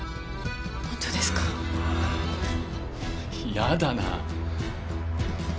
嫌だなあ。